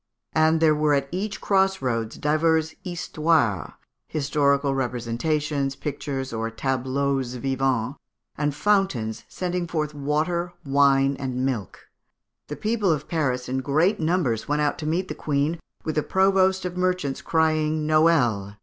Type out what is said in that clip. And there were at each cross roads divers histoires (historical representations, pictures, or tableaux vivants), and fountains sending forth water, wine, and milk. The people of Paris in great numbers went out to meet the Queen, with the Provost of the Merchants, crying '_Noel!